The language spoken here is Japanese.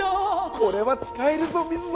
これは使えるぞ水野！